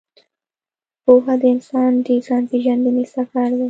پوهه د انسان د ځان پېژندنې سفر دی.